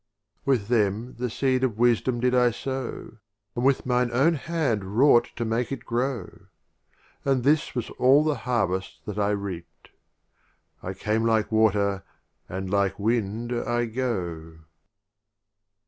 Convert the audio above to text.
XXVIII. With them the seed of Wisdom did I sow, And with mine own hand wrought to make it grow; And this was all the Harvest that I reap'd —" I came like Water, and like Wind I go."